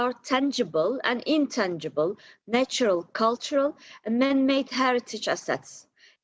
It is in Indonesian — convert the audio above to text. kami mengembangkan dan mempromosikan aset harta harta dan harta yang menjadikan kita seorang negara